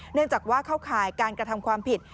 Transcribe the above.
เนื่องจากว่าเข้าข่ายการกระทำความผิด